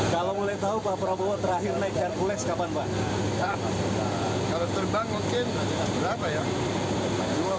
kalau mulai tahu pak prabowo terakhir naik hercules kapan pak